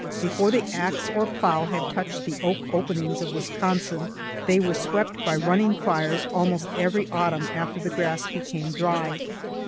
Before the axe or plough had touched the "oak openings" of Wisconsin, they were swept by running fires almost every autumn after the grass became dry.